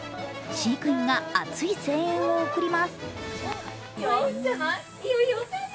飼育員が熱い声援を送ります。